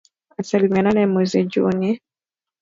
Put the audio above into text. Asilimia nane mwezi Juni